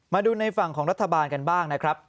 มาดูในฝั่งของรัฐบาลกันบ้างนะครับ